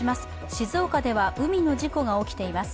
静岡では海の事故が起きています。